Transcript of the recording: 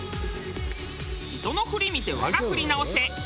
人の振り見て我が振り直せ。